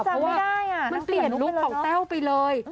พี่จำไม่ได้อะเพราะว่ามันเปลี่ยนลุคของแต้วไปเลย